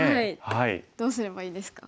はいどうすればいいですか？